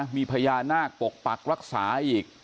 มีพญานาคปกปักรักษาอีก